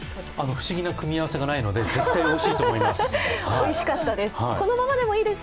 不思議な組み合わせがないので、絶対においしいと思います。